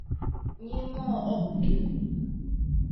— Нимо ок кӱл.